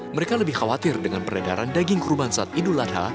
mereka lebih khawatir dengan peredaran daging kurubansat idul adha